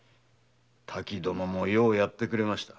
たき殿もようやってくれました。